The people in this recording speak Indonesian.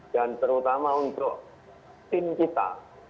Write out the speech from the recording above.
dan terutama untuk tim kita